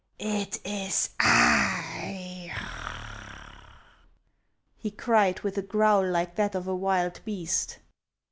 " It is I," he cried, with a growl like that of a wild beast.